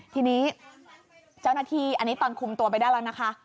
ทีนี้เจ้าหน้าที่อันนี้ตอนคุมตัวไปได้แล้วนะคะ